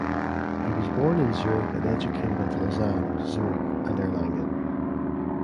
He was born in Zurich and educated at Lausanne, Zurich and Erlangen.